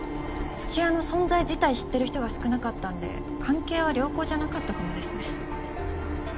父親の存在自体知ってる人が少なかったんで関係は良好じゃなかったかもですね。